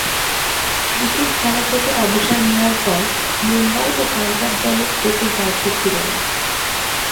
Cricket খেলা থেকে অবসর নেয়ার পর মুম্বই ও পাঞ্জাব দলের কোচের দায়িত্বে ছিলেন।